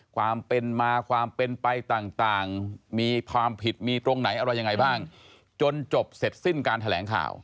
ความเป็นมาความเป็นไปต่างมีความผิดมีตรงไหนอะไรยังไงบ้างจนจบเสร็จสิ้นการแถลงข่าว